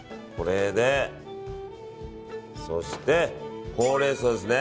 そして、ホウレンソウですね。